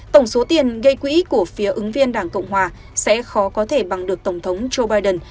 tổng số tiền gây quỹ của phía ứng viên đảng cộng hòa sẽ khó có thể bằng được tổng thống joe biden